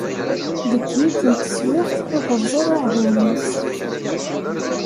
Deg yiwet n teswiɛt, ad rẓeɣ iɛdawen-is.